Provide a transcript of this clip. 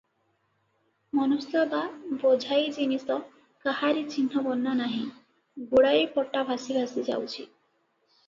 ମନୁଷ୍ୟ ବା ବୋଝାଇ ଜିନିଷ କାହାରି ଚିହ୍ନବର୍ଣ୍ଣ ନାହିଁ, ଗୁଡ଼ାଏ ପଟା ଭାସି ଭାସି ଯାଉଛି |